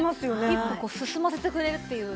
一歩進ませてくれるっていう。